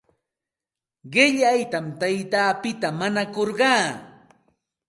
Qillaytam taytapita mañakurqaa.